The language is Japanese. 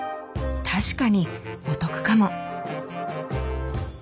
確かにお得かも。